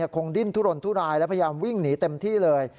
คงดิ้นทุรนทุรายและพยายามวิ่งหนีเต็มที่เลย